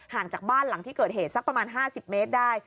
จากบ้านหลังที่เกิดเหตุสักประมาณ๕๐เมตรได้